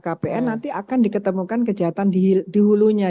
karena nanti akan diketemukan kejahatan di hulunya